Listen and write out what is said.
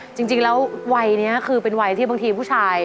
จริงแล้ววัยนี้คือเป็นวัยที่บางทีผู้ชาย